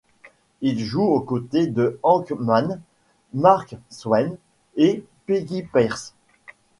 Ils jouent aux côtés de Hank Mann, Mack Swain ou Peggy Pearce.